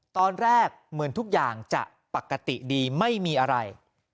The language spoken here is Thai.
ตอนแรกเหมือนทุกอย่างจะปกติดีไม่มีอะไร